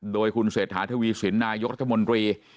โดยคุณเศรษฐาทวีสินนายกรัฐมนตรี